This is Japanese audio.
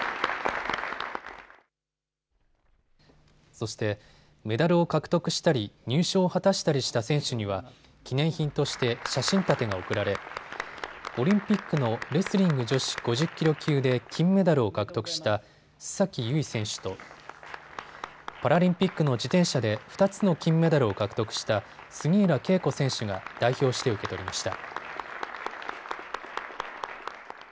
そして、メダルを獲得したり入賞を果たしたりした選手には記念品として写真立てが贈られオリンピックのレスリング女子５０キロ級で金メダルを獲得した須崎優衣選手とパラリンピックの自転車で２つの金メダルを獲得した杉浦佳子選手が代表して受け取りました。